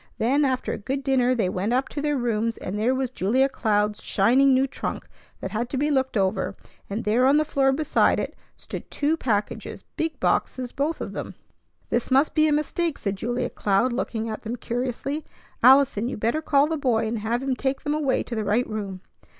Then after a good dinner they went up to their rooms, and there was Julia Cloud's shining new trunk that had to be looked over; and there on the floor beside it stood two packages, big boxes, both of them. "This must be a mistake," said Julia Cloud, looking at them curiously. "Allison, you better call the boy and have him take them away to the right room."